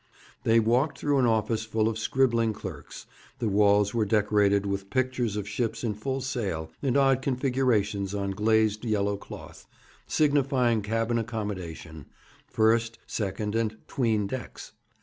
They walked through an office full of scribbling clerks; the walls were decorated with pictures of ships in full sail, and odd configurations on glazed yellow cloth, signifying cabin accommodation first, second, and 'tween decks.